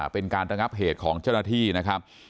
เป็นการระงับเหตุของเจ้าหน้าที่นะครับ